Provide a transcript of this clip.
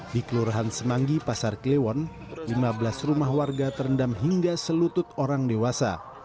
di kelurahan semanggi pasar klewon lima belas rumah warga terendam hingga selutut orang dewasa